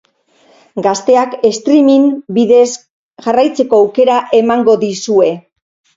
Gazteak streaming bidez jarraitzeko aukera emango dizue.